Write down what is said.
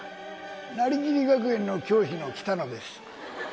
なりきり学園の教師のキタノです。